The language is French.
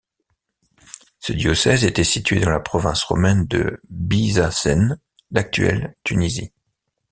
Ce diocèse était situé dans la province romaine de Byzacène, l'actuelle Tunisie.